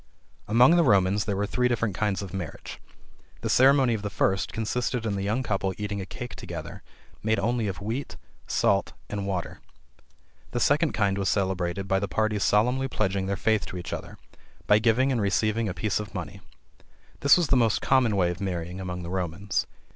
Among the Romans there were three different kinds of marriage. The ceremony of the first consisted in the young couple eating a cake together made only of wheat, salt and water. The second kind was celebrated by the parties solemnly pledging their faith to each other, by giving and receiving a piece of money. This was the most common way of marrying among the Romans.